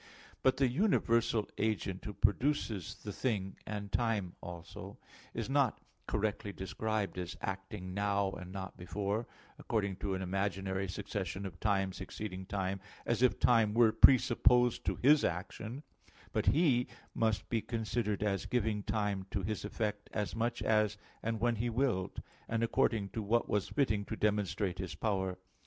But the universal agent who produces the thing and time also, is not correctly described as acting now, and not before, according to an imaginary succession of time succeeding time, as if time were presupposed to His action; but He must be considered as giving time to His effect as much as and when He willed, and according to what was fitting to demonstrate His power.